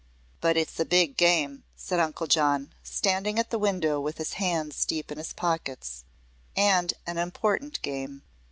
"But it's a big game," said Uncle John, standing at the window with his hands deep in his pockets; "and an important game.